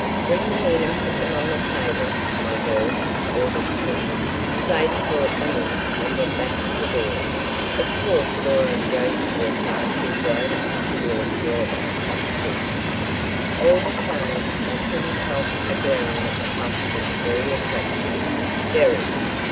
"Bring them in and put them on the table, my girl," ordered cook. Sadie brought them in and went back to the door. Of course Laura and Jose were far too grown up to really care about such things. All the same, they couldn't help agreeing that the puffs looked very attractive. Very.